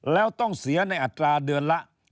แล้วต้องเสียในอัตราเดือนละ